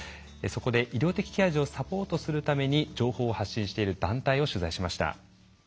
そこで医療的ケア児をサポートするために情報を発信している団体を取材しました。